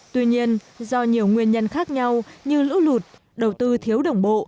tuy nhiên do nhiều nguyên nhân khác nhau như lũ lụt đầu tư thiếu đồng bộ